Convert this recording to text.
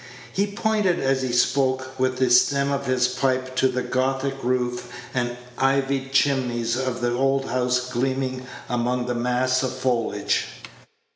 He pointed as he spoke, with the stem of his pipe, to the Gothic roof and ivied chimneys of the old house gleaming among a mass of foliage.